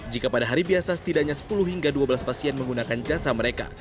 jika pada hari biasa setidaknya sepuluh hingga dua belas pasien menggunakan jasa mereka